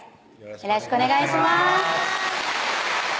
よろしくお願いします